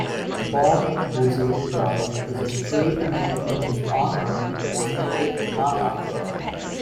Bob Boozer Drive is a street named in his honor in his native Omaha.